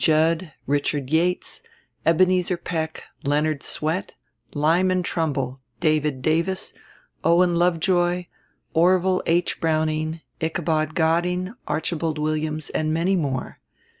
Judd, Richard Yates, Ebenezer Peck, Leonard Swett, Lyman Trumbull, David Davis, Owen Lovejoy, Orville H. Browning, Ichabod Godding, Archibald Williams, and many more.